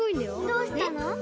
どうしたの？